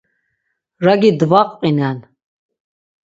Ragi dvaqvinen.